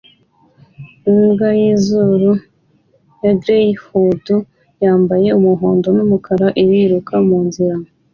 Imbwa yizuru ya greyhound yambaye umuhondo numukara iriruka munzira